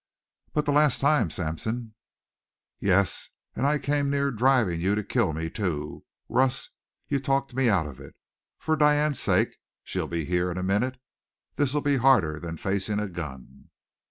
"But the last time, Sampson." "Yes, and I came near driving you to kill me, too. Russ, you talked me out of it. For Diane's sake! She'll be in here in a minute. This'll be harder than facing a gun."